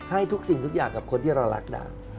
ให้ทุกสิ่งทุกอย่างกับคนที่เรารักดา